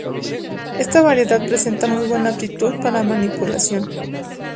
Esta variedad presenta muy buena aptitud para manipulación.